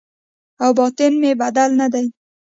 او باطن مې بدل نه دی